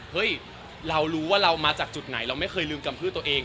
เฮ้ยเรารู้ว่าเรามาจากจุดไหนเราไม่เคยลืมกำพืชตัวเอง